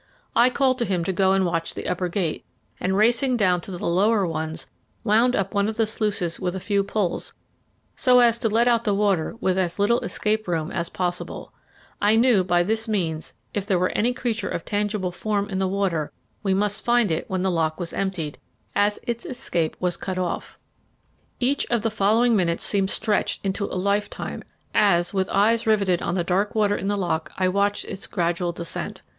I called to him to go and watch the upper gate, and, racing down to the lower ones, wound up one of the sluices with a few pulls, so as to let out the water with as little escape room as possible. I knew by this means if there were any creature of tangible form in the water we must find it when the lock was emptied, as its escape was cut off. [Illustration: "Struck it a terrific blow with the boat hook." A Master of Mysteries. Page 167] Each of the following minutes seemed stretched into a lifetime as, with eyes riveted on the dark water in the lock, I watched its gradual descent.